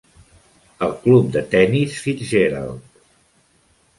el club de tennis FitzGerald.